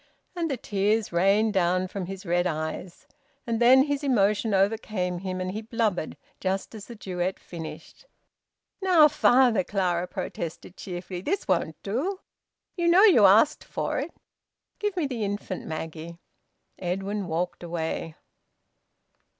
And the tears rained down from his red eyes, and then his emotion overcame him and he blubbered, just as the duet finished. "Now, father," Clara protested cheerfully, "this won't do. You know you asked for it. Give me the infant, Maggie." Edwin walked away.